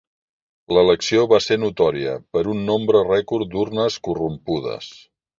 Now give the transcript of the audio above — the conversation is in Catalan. L'elecció va ser notòria per un nombre rècord d'urnes corrompudes.